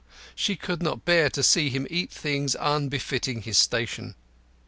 She could not bear to see him eat things unbefitting his station.